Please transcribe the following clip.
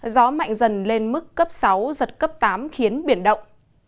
gió mạnh dần lên mức cấp sáu giật cấp tám khiến biển động